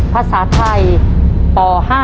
ภาษาไทยป๕